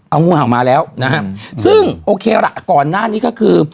เอางูเห่ามาแล้วนะครับซึ่งโอเคล่ะก่อนหน้านี้ก็คือ